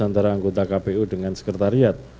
antara anggota kpu dengan sekretariat